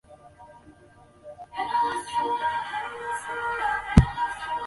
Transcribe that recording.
佃是东京都中央区的地名。